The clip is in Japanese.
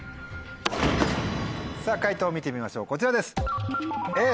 解答見てみましょうこちらです。